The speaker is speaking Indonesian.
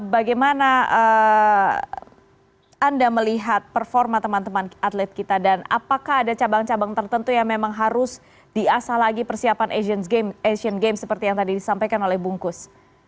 bagaimana anda melihat performa teman teman atlet kita dan apakah ada cabang cabang tertentu yang memang harus diasah lagi persiapan asian games seperti yang tadi disampaikan oleh bungkus